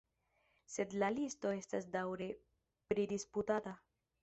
Sed la listo estas daŭre pridisputata.